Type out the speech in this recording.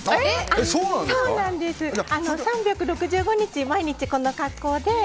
３６５日毎日この格好で。